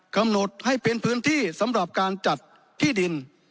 กำหนดให้เป็นพื้นที่สำหรับการจัดที่ดิน